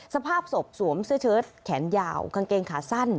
สภาพศพสวมเสื้อเชิดแขนยาวกางเกงขาสั้น